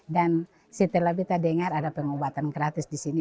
dan setelah kita dengar ada pengobatan gratis di sini